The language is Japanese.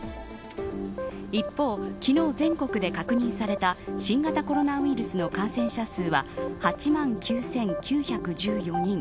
一方、昨日全国で確認された新型コロナウイルスの感染者数は８万９９１４人。